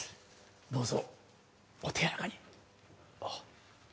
どうぞお手やわらかに。